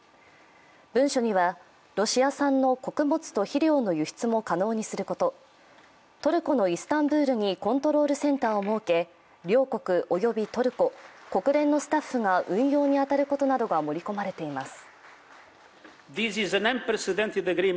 文書にはロシア産の穀物と肥料の輸出も可能にすることトルコのイスタンブールにコントロールセンターを設け両国、およびトルコ、国連のスタッフが運用に当たることなどが盛り込まれています。